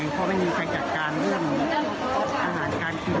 เพราะไม่มีใครจัดการเรื่องอาหารการกิน